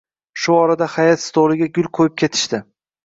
Shu orada hay`at stoliga gul qo`yib ketishdi